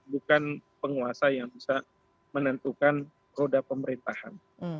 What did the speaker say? bukan penguasa yang bisa menentukan roda pemerintahan